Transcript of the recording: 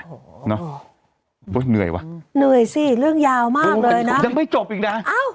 โอ้ยเหนื่อยว่ะเหนื่อยสิเรื่องยาวมากเลยนะโอ้ยยังไม่จบอีกนะอ้าว